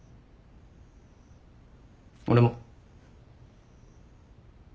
俺も。